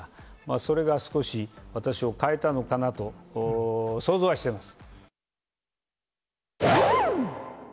それが少し私を変えたのかなと想像はしてます。